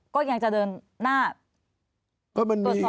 ก็ยังจะเดินหน้า